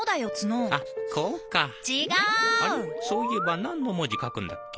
そういえば何の文字書くんだっけ？